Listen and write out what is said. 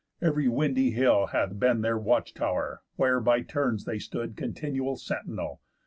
Ev'ry windy hill Hath been their watch tow'r, where by turns they stood Continual sentinel.